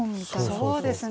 そうですね！